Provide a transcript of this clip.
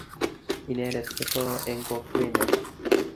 inendet ko too eng' kokwenyo